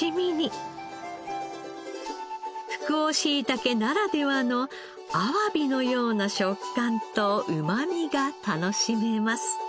福王しいたけならではのアワビのような食感とうまみが楽しめます。